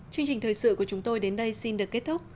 chương trình thời sự của chúng tôi đến đây xin được kết thúc